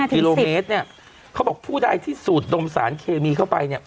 กิโลเมตรเนี่ยเขาบอกผู้ใดที่สูดดมสารเคมีเข้าไปเนี่ย